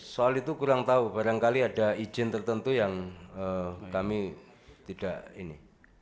soal itu kurang tahu barangkali ada izin tertentu yang kami tidak ini